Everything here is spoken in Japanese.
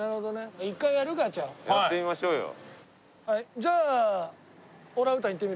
じゃあ。